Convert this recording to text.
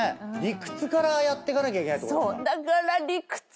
理屈からやっていかなきゃいけないってことですか。